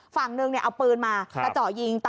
ฝั่งหนึ่งก็เอาปืนมากระเจา่ยิง